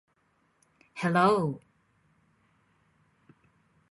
Hello